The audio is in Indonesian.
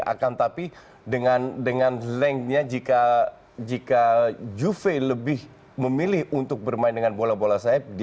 akan tetapi dengan lengthnya jika juve lebih memilih untuk bermain bola bola sahip